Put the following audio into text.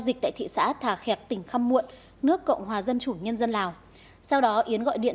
dịch tại thị xã thà khẹp tỉnh khăm muộn nước cộng hòa dân chủ nhân dân lào sau đó yến gọi điện